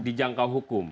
di jangka hukum